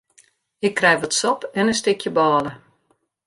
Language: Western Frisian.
Ik krij wat sop en in stikje bôle.